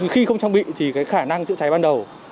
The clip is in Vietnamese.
khi không trang bị thì khả năng chữa cháy ban đầu